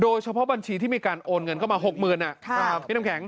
เฉพาะบัญชีที่มีการโอนเงินเข้ามา๖๐๐๐บาทพี่น้ำแข็ง